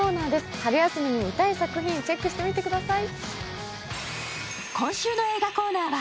春休みに見たい作品、チェックしてください。